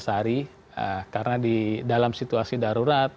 tujuh belas hari karena di dalam situasi darurat